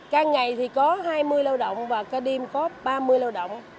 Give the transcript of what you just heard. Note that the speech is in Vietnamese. càng ngày thì có hai mươi lao động và cả đêm có ba mươi lao động